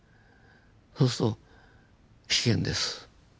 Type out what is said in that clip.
そうすると危険です。